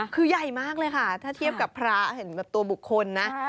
คือใหญ่มากเลยค่ะถ้าเทียบกับพระเห็นแบบตัวบุคคลนะ